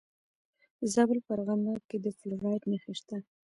د زابل په ارغنداب کې د فلورایټ نښې شته.